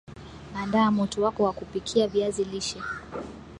andaa moto wako wa kupikia viazi lishe